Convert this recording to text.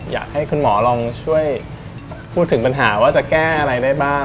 อยากให้คุณหมอลองช่วยพูดถึงปัญหาว่าจะแก้อะไรได้บ้าง